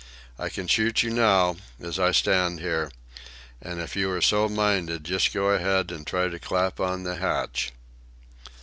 I can shoot you now, as I stand here; and if you are so minded, just go ahead and try to clap on the hatch."